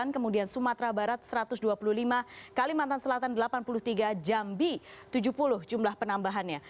kemudian sumatera barat satu ratus dua puluh lima kalimantan selatan delapan puluh tiga jambi tujuh puluh jumlah penambahannya